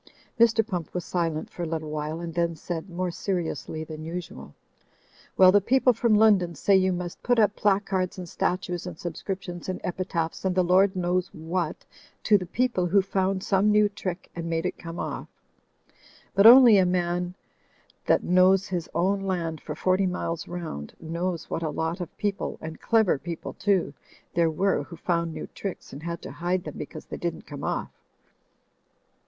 Mr. Pump was silent for a little while and then said, more seriously than usual, "Well, ttie people u,y,u.«u by Google 92 THE FLYING INN from London say you must put up placards and statues and subscriptions and epitaphs and the Lord knows what, to the people who've found some new trick and made it come off. But only a man that knows his own land for forty miles rotmd, knows what a lot of people, and clever people too, there were who found new tricks, and had to hide them because they didn't come off.